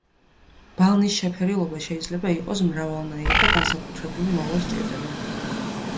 ბალნის შეფერილობა შეიძლება იყოს მრავალნაირი და განსაკუთრებული მოვლა სჭირდება.